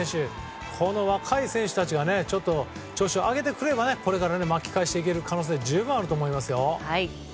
この若い選手たちが調子を上げてくればこれから巻き返していける可能性は十分あると思います。